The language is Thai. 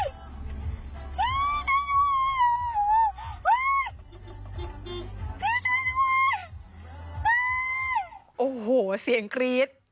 โหวเกรี๊ด